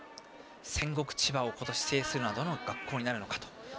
戦国・千葉を今年制するのはどの学校になるのか。